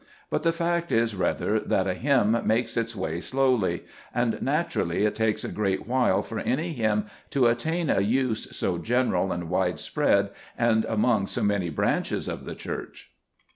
" But the fact is rather that a hymn makes its way slowly ; and naturally it takes a great while for any hymn to attain a use so general and widespread, and among so many branches of the Church.